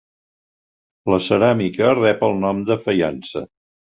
La ceràmica rep el nom de faiança.